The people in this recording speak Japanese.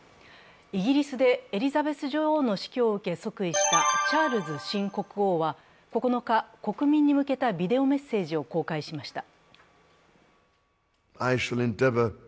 イギリスでエリザベス女王の死去を受け即位したチャールズ新国王は９日、国民に向けたビデオメッセージを公開しました。